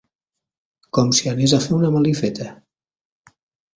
...com si anés a fer una malifeta.